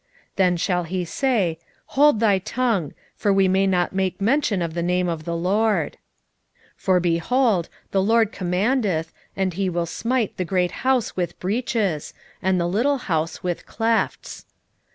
Then shall he say, Hold thy tongue: for we may not make mention of the name of the LORD. 6:11 For, behold, the LORD commandeth, and he will smite the great house with breaches, and the little house with clefts.